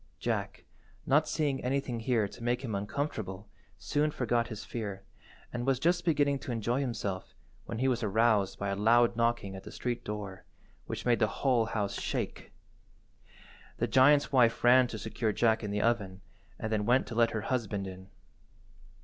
Jack, not seeing anything here to make him uncomfortable, soon forgot his fear, and was just beginning to enjoy himself when he was aroused by a loud knocking at the street–door, which made the whole house shake. The giant's wife ran to secure Jack in the oven and then went to let her husband in.